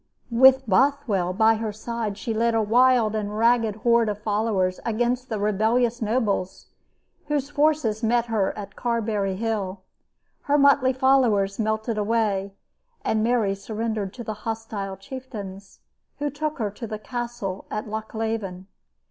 With Bothwell by her side she led a wild and ragged horde of followers against the rebellious nobles, whose forces met her at Carberry Hill. Her motley followers melted away, and Mary surrendered to the hostile chieftains, who took her to the castle at Lochleven.